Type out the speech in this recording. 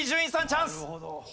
チャンス！